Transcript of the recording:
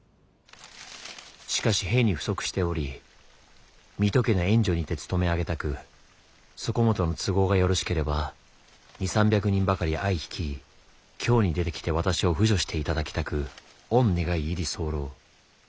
しかし兵に不足しており水戸家の援助にて勤め上げたくそこもとの都合がよろしければ２００３００人ばかり相率い京に出てきて私を扶助していただきたく御願い入り候」。